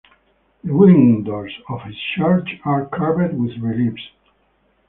The wooden doors of this church are carved with reliefs.